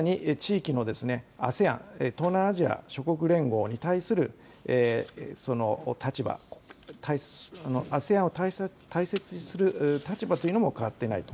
さらに、地域のＡＳＥＡＮ・東南アジア諸国連合に対する立場、ＡＳＥＡＮを大切にする立場というのも変わってないと。